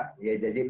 jadi jangan ditutup